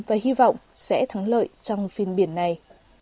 và hy vọng sẽ thắng lợi trong phiên biển này